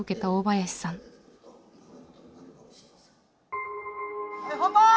はい本番！